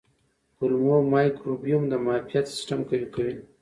کولمو مایکروبیوم د معافیت سیستم قوي کوي.